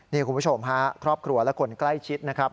นี่คุณผู้ชมฮะครอบครัวและคนใกล้ชิดนะครับ